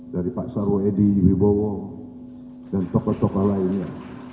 dari pak sarwo edi wibowo dan tokoh tokoh lainnya